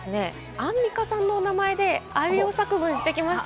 アンミカさんの名前で、あいうえお作文してきました。